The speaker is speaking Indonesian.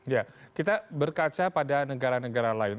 ya kita berkaca pada negara negara lain